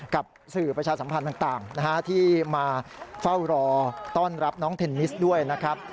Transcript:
กับสื่อประชาสัมพันธ์ต่างที่มาเฝ้ารอต้อนรับน้องเทนนิสด้วยนะครับ